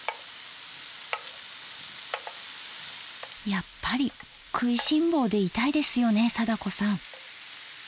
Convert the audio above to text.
やっぱり食いしん坊でいたいですよね貞子さん。